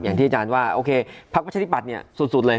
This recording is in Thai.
อย่างที่อาจารย์ว่าโอเคพักประชาธิบัตย์เนี่ยสุดเลย